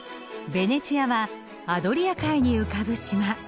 ベネチアはアドリア海に浮かぶ島。